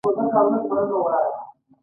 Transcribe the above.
د فراه په پشت رود کې د مالګې نښې شته.